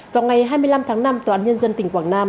vào ngày hai mươi năm tháng năm tòa án nhân dân tỉnh quảng nam